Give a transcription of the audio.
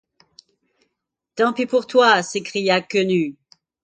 Tant pis pour toi! s’écria Quenu.